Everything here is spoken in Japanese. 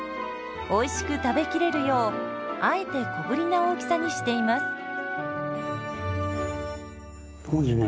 おいしく食べきれるようあえて小ぶりな大きさにしています。